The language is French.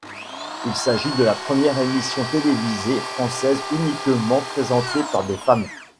Il s'agit de la première émission télévisée française uniquement présentée par des femmes.